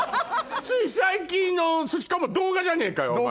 つい最近のしかも動画じゃねえかよ。